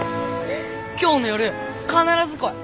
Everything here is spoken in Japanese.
今日の夜必ず来い。